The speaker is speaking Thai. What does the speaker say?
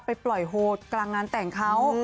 ไปปล่อยโฮดกลางงานแต่งเขา